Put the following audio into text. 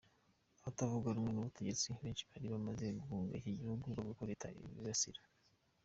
Abatavuga rumwe n'ubutegetsi benshi bari baramaze guhunga iki gihugu bavuga ko leta ibibasira.